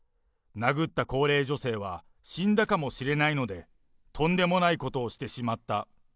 殴った高齢女性は死んだかもしれないので、とんでもないことをしてしまった。